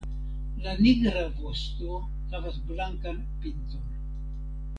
La nigra vosto havas blankan pinton.